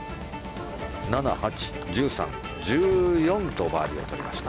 ７、８、１３、１４とバーディーを取りました。